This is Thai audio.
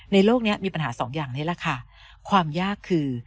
โลกนี้มีปัญหาสองอย่างนี้แหละค่ะความยากคือ